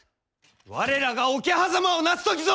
我らが桶狭間をなす時ぞ！